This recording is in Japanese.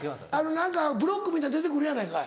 何かブロックみたいなの出て来るやないかい。